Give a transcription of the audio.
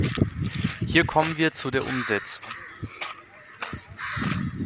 Hier kommen wir zu der Umsetzung.